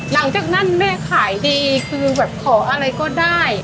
หลังจากนั้นแม่ขายดีคือแบบขออะไรก็ได้